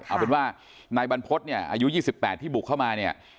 เอาเป็นว่านายบรรพฤษเนี่ยอายุ๒๘ที่บุกเข้ามาเนี่ย